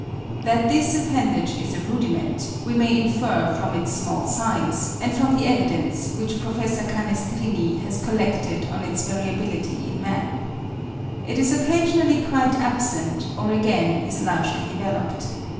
That this appendage is a rudiment, we may infer from its small size, and from the evidence which Prof. Canestrini (47. 'Annuario della Soc. d. Nat.' Modena, 1867, p. 94.) has collected of its variability in man. It is occasionally quite absent, or again is largely developed.